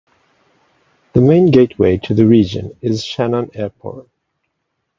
The main gateway to the region is Shannon Airport.